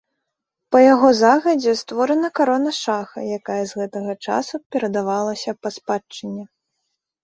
Па яго загадзе створана карона шаха, якая з гэтага часу перадавалася па спадчыне.